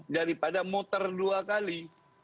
daripada muter dua kali